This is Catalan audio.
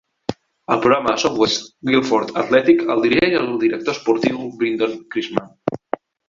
El programa Southwest Guilford Athletic el dirigeix el director esportiu Brindon Christman.